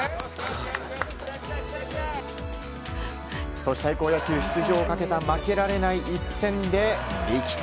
都市対抗野球出場をかけた負けられない一戦で力投。